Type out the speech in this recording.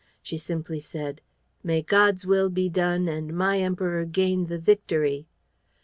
She simply said: "May God's will be done and my Emperor gain the victory!"